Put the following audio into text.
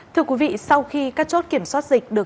thưa quý vị sau khi các chốt kiểm soát dịch được